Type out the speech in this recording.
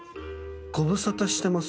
「ご無沙汰しています